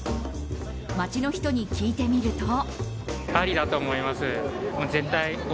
街の人に聞いてみると。